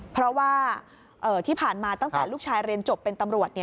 เพราะว่าที่ผ่านมาตั้งแต่ลูกชายเรียนจบเป็นตำรวจ